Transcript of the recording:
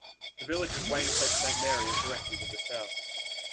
The village of Wainfleet Saint Mary is directly to the south.